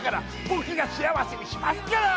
僕が幸せにしますから！